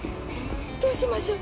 どうしましょう。